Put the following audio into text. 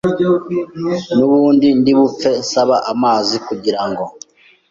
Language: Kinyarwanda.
nubundi ndi bupfe nsaba amazi kugirango